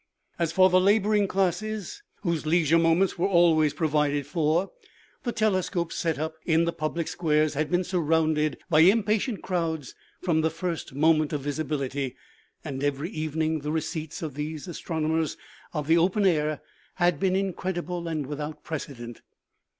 As for the laboring classes, whose leisure moments were always provided for, the telescopes set up in the public squares had been surrounded by im patient crowds from the first moment of visibility, and every evening the receipts of these astronomers of the open air had been incredible and without precedent.